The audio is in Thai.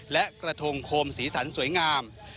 และกระทงโคมสีสันสวยงาม